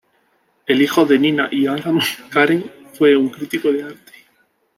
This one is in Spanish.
El hijo de Nina y Aram, Karen, fue un crítico de arte.